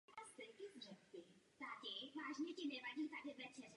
Druhý rychlostní stupeň doplnil pohon třetí sadou spojek.